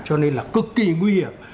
cho nên là cực kỳ nguy hiểm